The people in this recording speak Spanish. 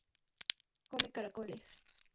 Come caracoles.